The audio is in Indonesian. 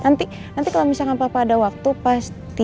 nanti nanti kalau misalkan papa ada waktu pasti